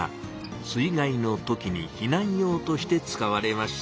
水害の時に避難用として使われました。